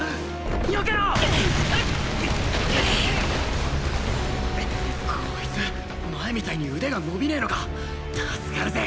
避けろ！こいつ前みたいに腕が伸びねェのか助かるぜ！